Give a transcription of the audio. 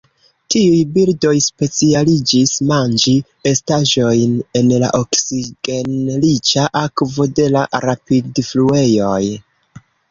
Tiuj birdoj specialiĝis manĝi estaĵojn en la oksigenriĉa akvo de la rapidfluejoj.